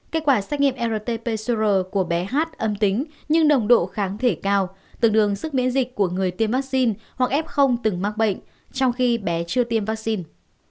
kết quả xét nghiệm rt pcr của bé hát âm tính nhưng nồng độ kháng thể cao tương đương sức miễn dịch của người tiêm vaccine hoặc f từng mắc bệnh trong khi bé chưa tiêm vaccine